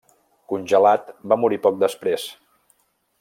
Congelat, va morir poc després.